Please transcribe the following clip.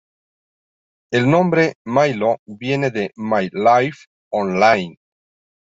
El nombre "mylo" viene de "My life Online".